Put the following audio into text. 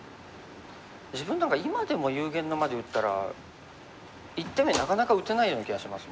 自分なんか今でも幽玄の間で打ったら１手目なかなか打てないような気がします。